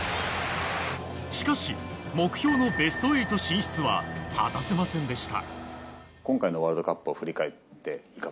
しかし、目標のベスト８進出は果たせませんでした。